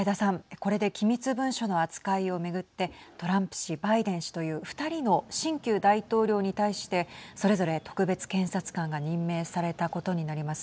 これで機密文書の扱いを巡ってトランプ氏、バイデン氏という２人の新旧大統領に対してそれぞれ特別検察官が任命されたことになります。